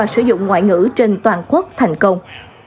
sử dụng ngoại ngữ trên toàn quốc thành công